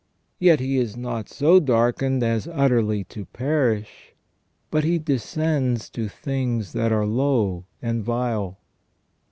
Yet he is not so darkened as utterly to perish, but he descends to things that are low and vile."